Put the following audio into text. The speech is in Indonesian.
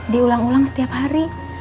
diulang ulang setiap hari